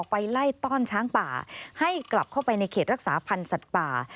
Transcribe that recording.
ไปไล่ต้อนช้างป่าให้กลับเข้าไปในเขตรักษาพันธ์สัตว์ป่า